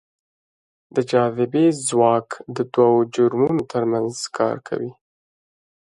د جاذبې ځواک دوو جرمونو ترمنځ کار کوي.